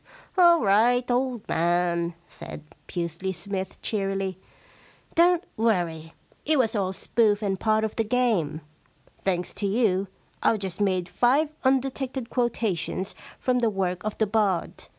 * All right, old man,' said Pusely Smythe cheerily. * Don't worry. It was all spoof and part of the game. Thanks to you, I've just made five undetected quota tions from the work of the bard.